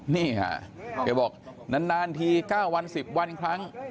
นี่ค่ะแกบอกนานที๙วัน๑๐วันครั้ง